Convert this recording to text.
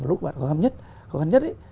lúc bạn khó khăn nhất